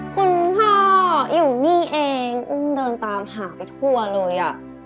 คุณพ่ออยู่นี่เองอุ้มเดินตามหาไปทั่วเลย